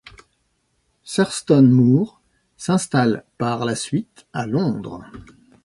Thurston Moore s'installe par la suite à Londres.